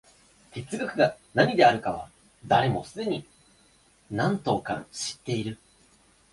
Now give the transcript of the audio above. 哲学が何であるかは、誰もすでに何等か知っている。